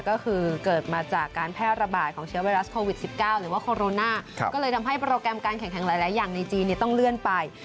ก็คือเกิดมาจากการแพร่ระบาดของเชื้อไวรัสโควิด๑๙หรือว่าโคโรนาก็เลยทำให้โปรแกรมการแข่งขันหลายอย่างในจีนต้องเลื่อนไป